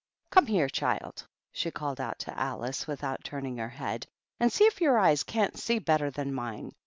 "Come here, child," she called out to Alice, without turning her head, " and see if your eyes can't see better than mine.